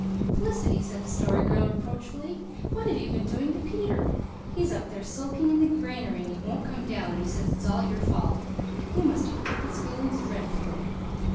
"Felicity," said the Story Girl reproachfully, "what have you been doing to Peter? He's up there sulking in the granary, and he won't come down, and he says it's your fault. You must have hurt his feelings dreadfully."